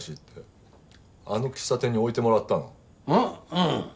うん。